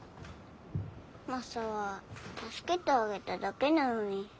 マサは助けてあげただけなのに。